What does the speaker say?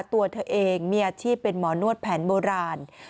ตัวเธอเองมีอาชีพเป็นหมอนวดแผนโบราณ